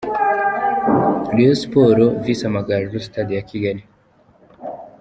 Rayon Sports vs Amagaju – Stade ya Kigali.